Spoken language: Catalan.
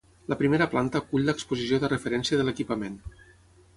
La primera planta acull l’exposició de referència de l’equipament.